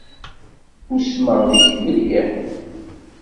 Usmeɣ deg-k mliḥ